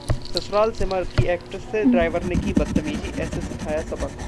'ससुराल सिमर..' की एक्ट्रेस से ड्राइवर ने की बदतमीजी, ऐसे सिखाया सबक